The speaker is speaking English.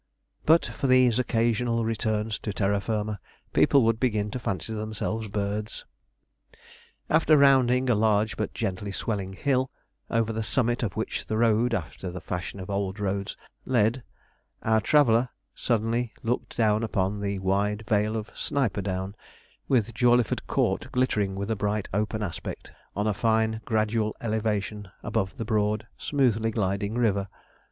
But for these occasional returns to terra firma, people would begin to fancy themselves birds. After rounding a large but gently swelling hill, over the summit of which the road, after the fashion of old roads, led, our traveller suddenly looked down upon the wide vale of Sniperdown, with Jawleyford Court glittering with a bright open aspect, on a fine, gradual elevation, above the broad, smoothly gliding river.